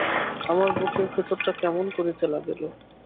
আমার বুকের ভিতরটা কেমন করিতে লাগিল।